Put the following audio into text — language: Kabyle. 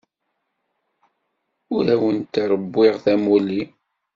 Ur awent-rewwiɣ tamuli.